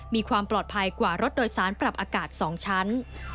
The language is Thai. มีความปลอดภัยกว่ารถโดยสารปรับอากาศ๒ชั้น